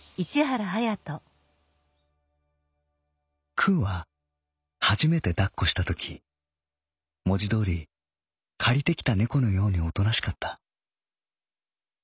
「くうははじめて抱っこしたとき文字どおり借りてきた猫のようにおとなしかった。